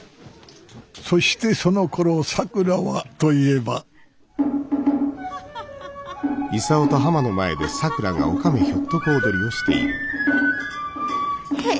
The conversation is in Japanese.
そしてそのころさくらはといえばへえ！